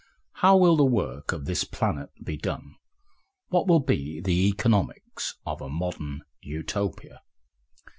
How will the work of this planet be done? What will be the economics of a modern Utopia?